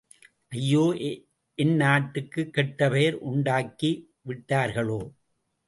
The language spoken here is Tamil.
ஐயோ, என் நாட்டுக்குக் கெட்ட பெயர் உண்டாக்கி விட்டார்களே!